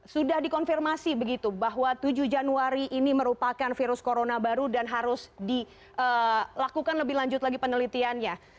sudah dikonfirmasi begitu bahwa tujuh januari ini merupakan virus corona baru dan harus dilakukan lebih lanjut lagi penelitiannya